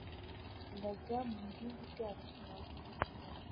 ndajya mu mpinga ibyara imibavu